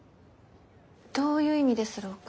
どういう意味ですろうか？